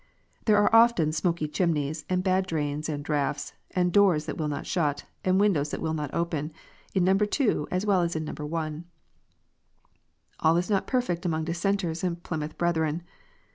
There are often smoky chimneys, and bad drains, and draughts, and doors that will not shut, and windows that will not open, in No. 2 as well as in No. 1. All is not perfect among Dissenters and Plymouth Brethren.